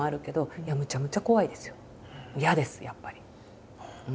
嫌ですやっぱり。